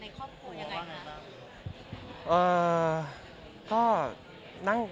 ตอนนั้นคุยกันในครอบครัวอย่างไรคะ